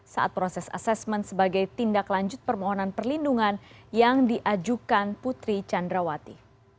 saat proses asesmen sebagai tindak lanjut permohonan perlindungan yang diajukan putri candrawati